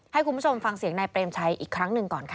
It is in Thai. ให้คุณผู้ชมฟังเสียงนายเปรมชัยอีกครั้งหนึ่งก่อนค่ะ